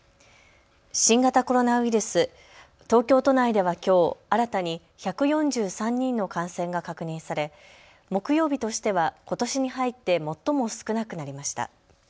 新型コロナウイルス、東京都内ではきょう新たに１４３人の感染が確認され木曜日としては、ことしに入って最も少なくなりました。